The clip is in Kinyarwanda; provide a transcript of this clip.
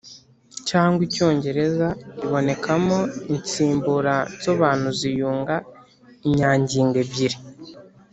cyangwa icyongereza ibonekamo insimbura nsobanuzi yunga inyangingo ebyiri,